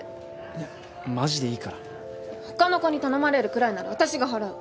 いやマジでい他の子に頼まれるくらいなら私が払う。